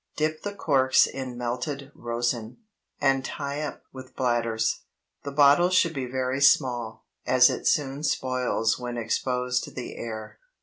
Dip the corks in melted rosin, and tie up with bladders. The bottles should be very small, as it soon spoils when exposed to the air.